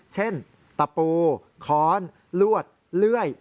ตะปูค้อนลวดเลื่อย